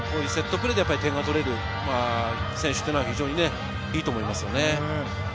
セットプレーで点が取れる選手というのは非常にいいと思います。